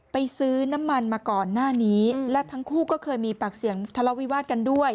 ซื้อน้ำมันมาก่อนหน้านี้และทั้งคู่ก็เคยมีปากเสียงทะเลาวิวาสกันด้วย